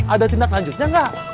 ada tindak lanjutnya gak